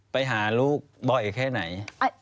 ไปหาลูกบ่อยแค่ไหน